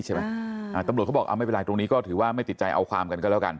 ตำรวจเขาบอกเอาไม่เป็นไรตรงนี้ก็ถือว่าไม่ติดใจเอาความกันก็แล้วกัน